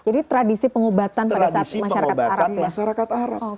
jadi tradisi pengobatan pada saat masyarakat arab